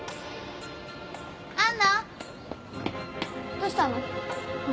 どうしたの？